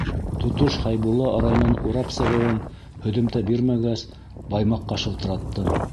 Тотош Хәйбулла районын урап сығыуым һөҙөмтә бирмәгәс, Баймаҡҡа шылтыраттым.